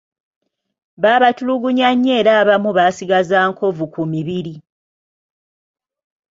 Baabatulugunya nnyo era abamu baasigaza nkovu ku mibiri.